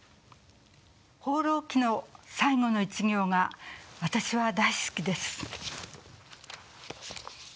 「放浪記」の最後の一行が私は大好きです。